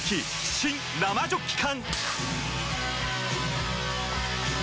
新・生ジョッキ缶！